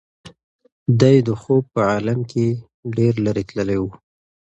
دی د خوب په عالم کې ډېر لرې تللی و.